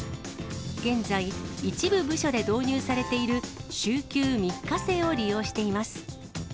現在、一部部署で導入されている週休３日制を利用しています。